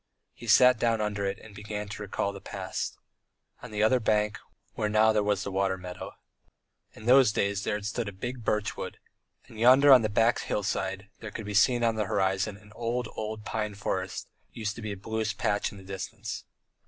He sat down under it and began to recall the past. On the other bank, where now there was the water meadow, in those days there stood a big birchwood, and yonder on the bare hillside that could be seen on the horizon an old, old pine forest used to be a bluish patch in the distance.